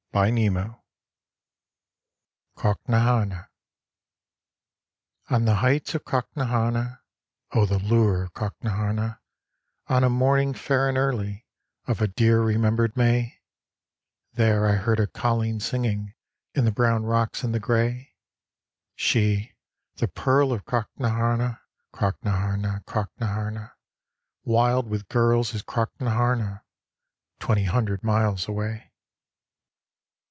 AT SEA CROCKNAHARNA On the heights of Crocknahama, (Oh, the lure of Crocknaharna) On a morning fair and early Of a dear remembered May, There I heard a colleen singing In the brown rocks and the grey. She, the pearl of Crocknahama, Crocknaharna, Crocknahama, Wild with girls is Crocknaharna Twenty hundred miles away.